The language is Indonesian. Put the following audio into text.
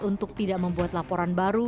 untuk tidak membuat laporan baru